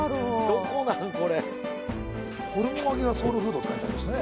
どこなんこれホルモン揚がソウルフードって書いてありましたね